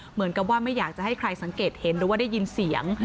เหมือนกับว่าไม่อยากจะให้ใครสังเกตเห็นหรือว่าได้ยินเสียง